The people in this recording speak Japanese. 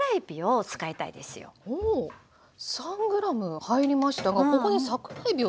ほう３ｇ入りましたがここで桜えびを使う。